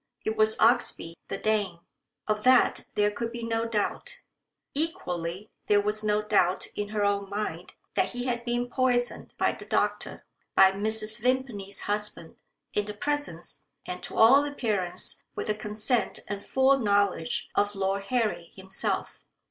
It was Oxbye the Dane. Of that there could be no doubt. Equally there was no doubt in her own mind that he had been poisoned by the doctor by Mrs. Vimpany's husband in the presence and, to all appearance, with the consent and full knowledge of Lord Harry himself.